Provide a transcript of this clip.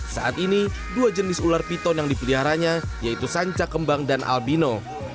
saat ini dua jenis ular piton yang dipeliharanya yaitu sanca kembang dan albino